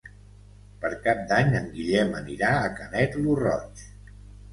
Per Cap d'Any en Guillem anirà a Canet lo Roig.